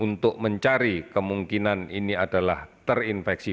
untuk mencari kemungkinan ini adalah terinfeksi